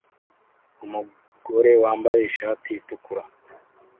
Umugore wambaye ishati itukura